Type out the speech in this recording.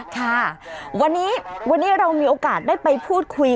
ค่ะวันนี้วันนี้เรามีโอกาสได้ไปพูดคุย